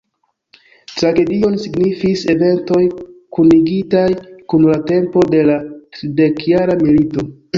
Tragedion signifis eventoj kunigitaj kun la tempo de la tridekjara milito.